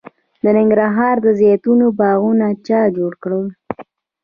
د ننګرهار د زیتون باغونه چا جوړ کړل؟